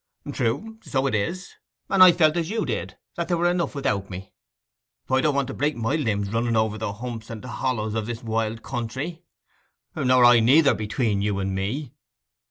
'True; so it is. And I felt as you did, that there were enough without me.' 'I don't want to break my limbs running over the humps and hollows of this wild country.' 'Nor I neither, between you and me.